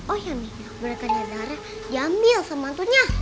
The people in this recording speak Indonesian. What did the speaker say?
oh iya mi berakannya darah diambil sama hantunya